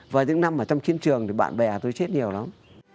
và những năm ở trong chiến trường thì bạn bè tôi chết nhiều lắm